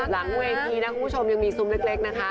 หลังเวทีนะคุณผู้ชมยังมีซุมเล็กนะคะ